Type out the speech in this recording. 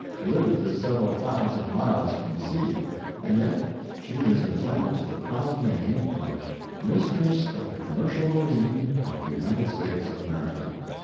Duluth is several thousand miles from the sea, and yet she is entitled to the proud name of Mistress of the Commercial Marine of the United States of America.